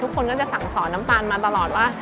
คนก็จะสั่งสอนน้ำตาลมาตลอดว่า